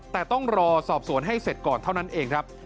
แต่ต้องรอสอบสวนให้เสร็จก่อนเท่านั้นเองครับ